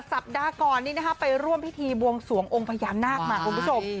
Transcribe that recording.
สัปดาห์ก่อนนี้นะคะไปร่วมพิธีบวงสวงองค์พญานาคมาคุณผู้ชม